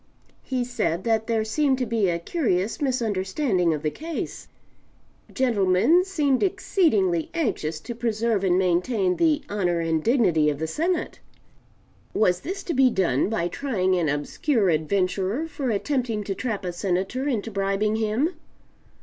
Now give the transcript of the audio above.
He said that there seemed to be a curious misunderstanding of the case. Gentlemen seemed exceedingly anxious to preserve and maintain the honor and dignity of the Senate. Was this to be done by trying an obscure adventurer for attempting to trap a Senator into bribing him?